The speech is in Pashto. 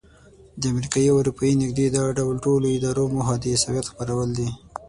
د امریکایي او اروپایي نږدې دا ډول ټولو ادارو موخه د عیسویت خپرول دي.